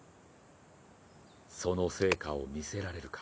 その成果を見せられるか。